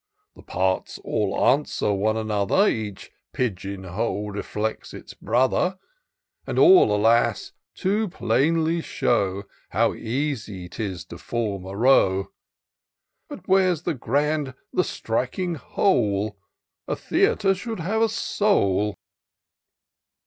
The parts all answer one another ; Each pigeon hole reflects its brother ; And all, alas ! too plainly show How easy 'tis to form a row : But where's the grand, the striking whole? A theatre should have a soul."